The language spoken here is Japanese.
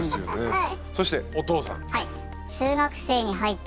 はい。